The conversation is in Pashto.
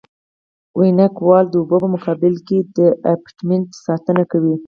وینګ وال د اوبو په مقابل کې د ابټمنټ ساتنه کوي